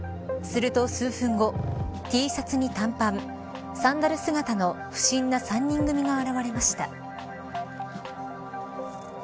すると数分後、Ｔシャツに短パンサンダル姿の不審な３人組が現れました。